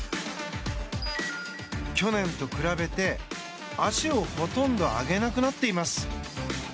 去年と比べて、足をほとんど上げなくなっています。